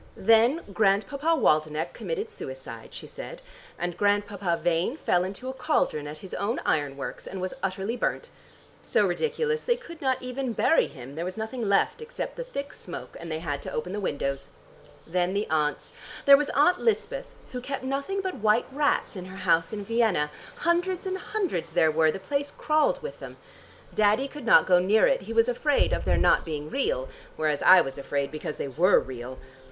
"Then Grandpapa Waldenech committed suicide," she said, "and Grandpapa Vane fell into a cauldron at his own iron works and was utterly burnt. So ridiculous; they could not even bury him, there was nothing left, except the thick smoke, and they had to open the windows. Then the aunts. There was Aunt Lispeth who kept nothing but white rats in her house in Vienna, hundreds and hundreds there were, the place crawled with them. Daddy could not go near it: he was afraid of their not being real, whereas I was afraid because they were real.